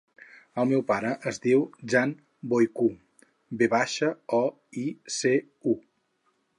El meu pare es diu Jan Voicu: ve baixa, o, i, ce, u.